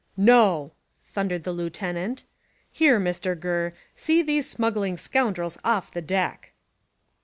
"No!" thundered the lieutenant. "Here, Mr Gurr, see these smuggling scoundrels off the deck."